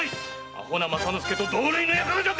アホな政之助と同類の輩じゃ！